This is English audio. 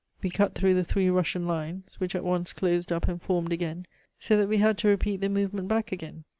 We cut through the three Russian lines, which at once closed up and formed again, so that we had to repeat the movement back again.